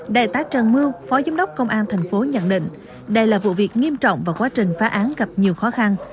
đại tá trần mưu phó giám đốc công an tp nhận định đây là vụ việc nghiêm trọng và quá trình phá án gặp nhiều khó khăn